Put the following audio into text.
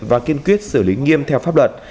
và kiên quyết xử lý nghiêm theo pháp luật